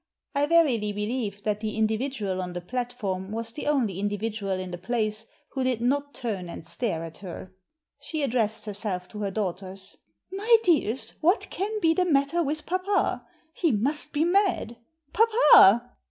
I verily believe that the individual on the platform was the only individual in the place who did not turn and stare at her. She addressed herself to her daughters: "My dears, what can be the matter with papa? He must be mad! Papa!"